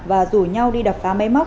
và rủ nhau đi đập phá máy móc